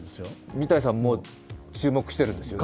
三谷さんも注目しているんですよね。